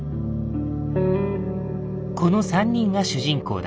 この３人が主人公だ。